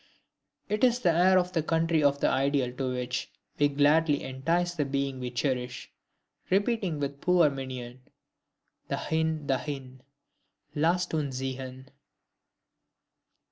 It is the air of the country of the ideal to which we gladly entice the being we cherish, repeating with poor Mignon: DAHIN! DAHIN!... LASST UNS ZIEHN!